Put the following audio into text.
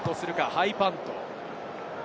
ハイパント。